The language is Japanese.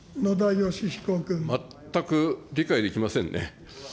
全く理解できませんね。